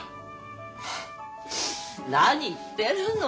何言ってるの。